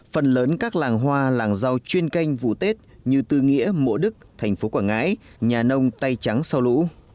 phần lớn các làng hoa làng rau chuyên canh vụ tết như tư nghĩa mộ đức thành phố quảng ngãi nhà nông tay trắng sau lũ